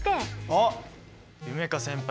あっ夢叶先輩